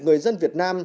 người dân việt nam